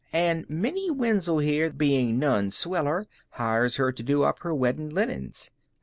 An' Minnie Wenzel, there bein' none sweller, hires her to do up her weddin' linens.